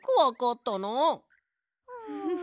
フフフ。